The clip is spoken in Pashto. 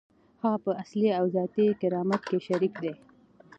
هغه په اصلي او ذاتي کرامت کې شریک دی.